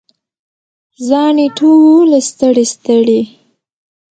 زاڼې ټولې ستړي، ستړي